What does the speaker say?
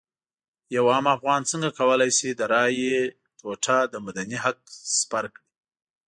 یو عام افغان څنګه کولی شي د رایې ټوټه د مدني حق سپر کړي.